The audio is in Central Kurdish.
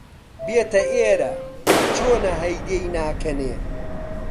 بێتە ئێرە، چۆنە هەی دێی ناکەنێ!؟